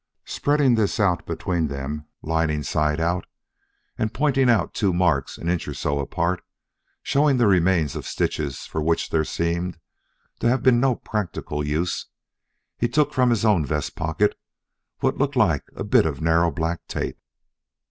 Spreading this out between them lining side out, and pointing out two marks an inch or so apart showing the remains of stitches for which there seemed to have been no practical use, he took from his own vest pocket what looked like a bit of narrow black tape.